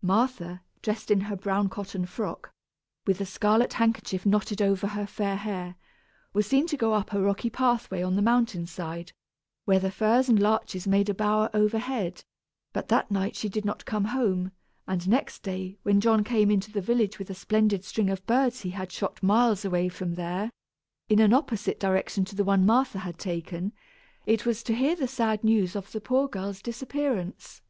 Martha, dressed in her brown cotton frock, with the scarlet handkerchief knotted over her fair hair, was seen to go up a rocky pathway on the mountain side, where the firs and larches made a bower overhead; but that night she did not come home, and next day, when John came into the village with a splendid string of birds he had shot miles away from there, in an opposite direction to the one Martha had taken, it was to hear the sad news of the poor girl's disappearance.